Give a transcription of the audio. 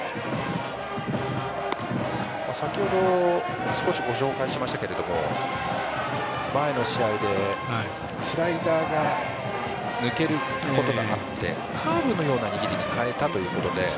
先程少しご紹介しましたが前の試合でスライダーが抜けることがあってカーブのような握りに変えたということで。